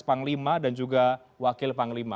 panglima dan juga wakil panglima